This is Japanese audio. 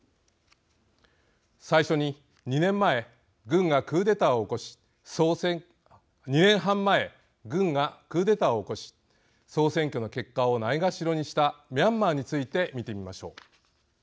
最初に２年前軍がクーデターを起こし総選挙の結果をないがしろにしたミャンマーについて見てみましょう。